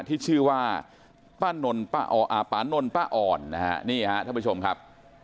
ที่ชื่อว่าป้าปานนท์ป้าอ่อนนะฮะนี่ฮะท่านผู้ชมครับ